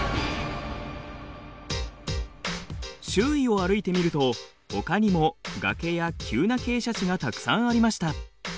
周囲を歩いてみるとほかにも崖や急な傾斜地がたくさんありました。